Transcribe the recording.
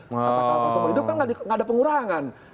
karena kalau seumur hidup kan nggak ada pengurangan